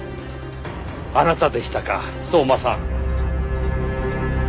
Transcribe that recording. あなたでしたか相馬さん。